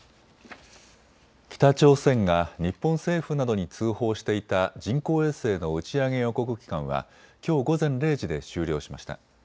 北朝鮮が日本政府などに通報していた人工衛星の打ち上げ予告期間はきょう午前０時で終了しました。